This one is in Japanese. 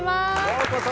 ようこそ。